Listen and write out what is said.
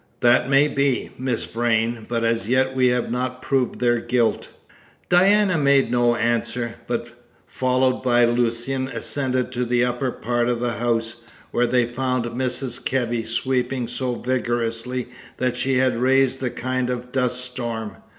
"That may be, Miss Vrain, but as yet we have not proved their guilt." Diana made no answer, but, followed by Lucian, ascended to the upper part of the house, where they found Mrs. Kebby sweeping so vigorously that she had raised a kind of dust storm.